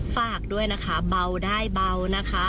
ฝากด้วยนะคะเบาได้เบานะคะ